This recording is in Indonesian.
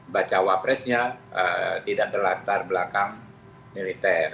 baca wapresnya tidak terlatar belakang militer